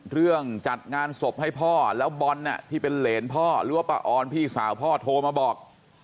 เรื่องจัดงานศพให้พ่อแล้วบอลที่เป็นเหรนพ่อหรือว่าป้าออนพี่สาวพ่อโทรมาบอก